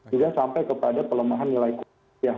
juga sampai kepada pelemahan nilai rupiah